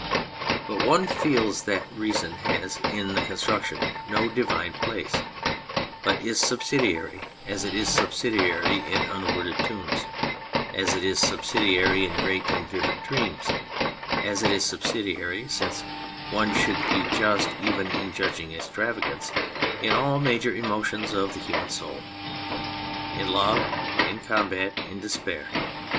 But one feels that reason has in the construction no divine place, but is subsidiary as it is subsidiary in unworded tunes, as it is subsidiary in great and vivid dreams, as it is subsidiary (since one should be just even in judging extravagance) in all the major emotions of the human soul : in love, in combat, in despair.